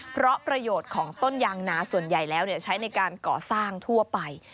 เพราะประโยชน์ของต้นยางนาส่วนใหญ่แล้วใช้ในการก่อสร้างทั่วไป